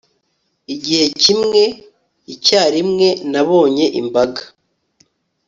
Igihe kimwe icyarimwe nabonye imbaga